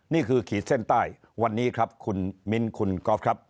ขีดเส้นใต้วันนี้ครับคุณมิ้นคุณกอล์ฟครับ